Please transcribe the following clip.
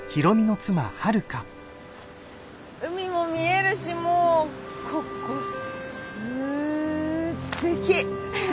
海も見えるしもうここすてき！